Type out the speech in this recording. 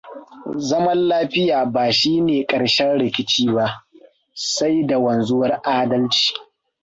Zaman lafiya ba shine ƙarshen rikici ba, sai da wanzuwar adalci.